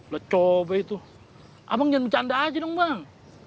lo coba itu abang jangan bercanda aja dong bang